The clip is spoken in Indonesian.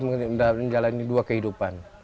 menjalani dua kehidupan